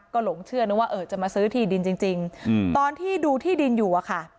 ก็หลงเชื่อนึกว่าเออจะมาซื้อที่ดินจริงตอนที่ดูที่ดินอยู่อะค่ะ